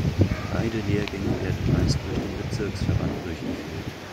Beide Lehrgänge werden meist durch den Bezirksverband durchgeführt.